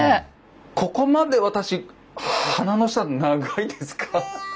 ここまで私鼻の下長いですか？